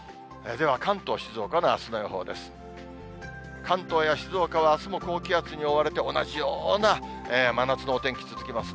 では関東、静岡のあすの予報です。